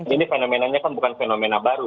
ini fenomenanya kan bukan fenomena baru